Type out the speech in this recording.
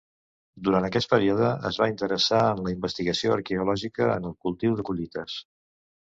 Durant aquest període es va interessar en la investigació arqueològica en el cultiu de collites.